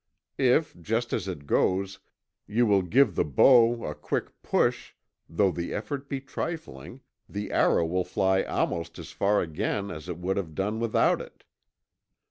If, just as it goes, you will give the bow a quick push, though the effort be trifling, the arrow will fly almost as far again as it would have done without it.